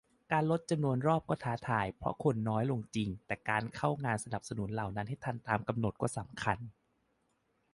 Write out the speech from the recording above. การลดจำนวนรอบก็ท้าทาย เพราะคนน้อยลงจริง แต่การเข้างานสนับสนุนเหล่านั้นให้ทันตามกำหนดก็สำคัญ